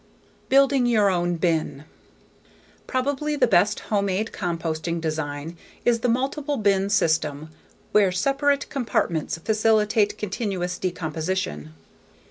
Building Your Own Bin Probably the best homemade composting design is the multiple bin system where separate compartments facilitate continuous decomposition.